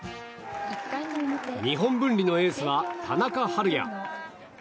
日本文理のエースは田中晴也。